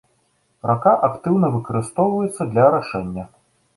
Рака актыўна выкарыстоўваецца для арашэння.